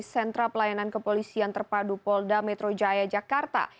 sentra pelayanan kepolisian terpadu polda metro jaya jakarta